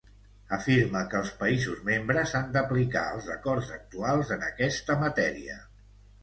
Afirma que els països membres han d’aplicar els acords actuals en aquesta matèria.